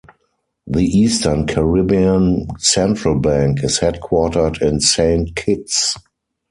The Eastern Caribbean Central Bank is headquartered in Saint Kitts.